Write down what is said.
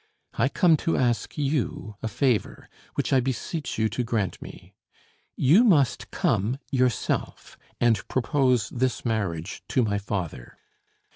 I come to ask you a favor, which I beseech you to grant me. You must come yourself and propose this marriage to my father.